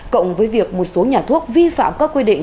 cộng với việc một số nhà thuốc vi phạm các quy định